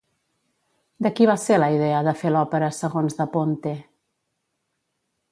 De qui va ser la idea de fer l'òpera segons Da Ponte?